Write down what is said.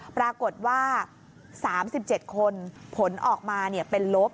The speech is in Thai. ปรากฏว่า๓๗คนผลออกมาเป็นลบ